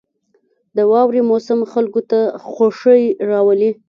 • د واورې موسم خلکو ته خوښي راولي.